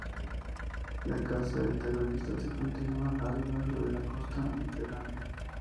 La caza del terrorista se continúa a lo largo de la costa mediterránea.